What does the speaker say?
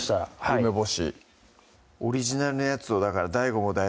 梅干しオリジナルのやつをだからＤＡＩＧ